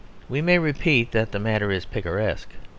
We may repeat that the matter is picaresque.